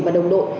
và đồng đội